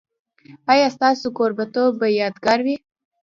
ایا ستاسو کوربه توب به یادګار وي؟